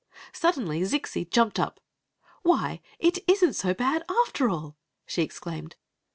Suddenly Zixi jumped up. "Why, it is nt so bad, after all!" she exclaimed.